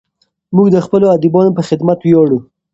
موږ د خپلو ادیبانو په خدمت ویاړو.